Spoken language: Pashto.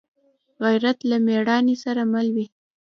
غیرت له مړانې سره مل وي